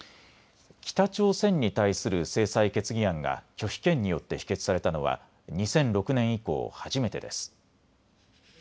北朝鮮に対する制裁決議案が拒否権によって否決されたのは２００６年以降、初めてです。